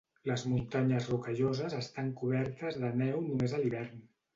Les muntanyes Rocalloses estan cobertes de neu només a l'hivern.